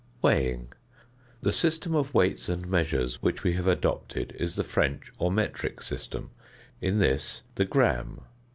~Weighing.~ The system of weights and measures which we have adopted is the French or metric system; in this the gram (15.